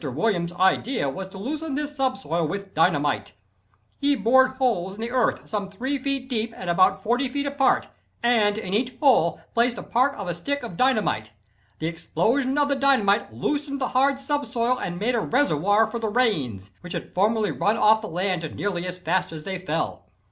Williams' idea was to loosen this subsoil with dynamite. He bored holes in the earth some 3 feet deep and about 40 feet apart, and in each hole placed a part of a stick of dynamite. The explosion of the dynamite loosened the hard subsoil, and made a reservoir for the rains, which had formerly run off the land nearly as fast as they fell.